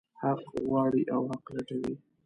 حق غواړي او حق لټوي.